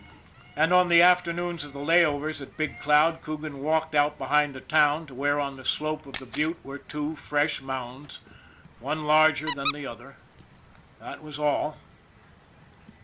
And on the afternoons of the lay overs at Big Cloud, Coogan walked out behind the town to where on the slope of the butte were two fresh mounds one larger than the other. That was all.